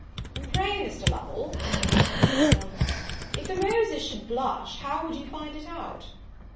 "Pray, Mr. Lovel," said Mrs. Selwyn," if the roses should blush, how would you find it out?"